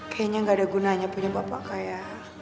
kayaknya gak ada gunanya punya bapak kaya